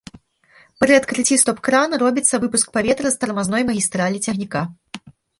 Пры адкрыцці стоп-крана робіцца выпуск паветра з тармазной магістралі цягніка.